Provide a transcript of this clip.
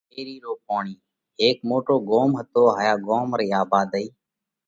ويرِي رو پوڻِي:ھيڪ موٽو ڳوم ھتو ھايا ڳوم رئي آڀادئي